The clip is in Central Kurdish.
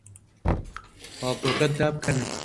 پاڵتۆکەت دابکەنە.